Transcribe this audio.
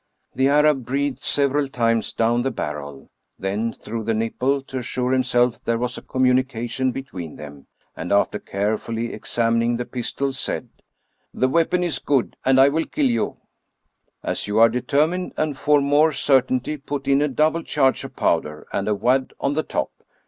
The Arab breathed several times down the barrel, then through the nipple, to assure himself there was a communi cation between them, and after carefully examining the pis tol, said: " The weapon is good, and I will kill you/' " As you are determined, and for more certainty, put in a double charge of powder, and a wad on the top."